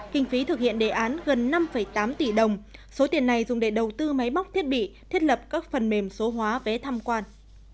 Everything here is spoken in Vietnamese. kinh phí thực hiện đề án gần năm tám tỷ đồng số tiền này dùng để đầu tư máy móc thiết bị thiết lập các phần mềm số hóa vé tham quan